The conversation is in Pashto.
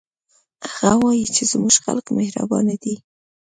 هغه وایي چې زموږ خلک مهربانه دي